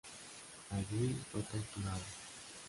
Allí fue torturado.